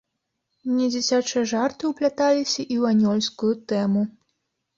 Недзіцячыя жарты ўпляталіся і ў анёльскую тэму.